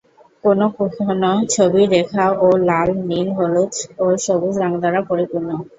কোনও কোনও ছবি রেখা ও লাল, নীল, হলুদ ও সবুজ রং দ্বারা পরিপূর্ণ।